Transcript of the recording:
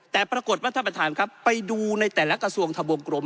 แต่ปรากฏว่าท่านประธานครับไปดูในแต่ละกระทรวงทะวงกรม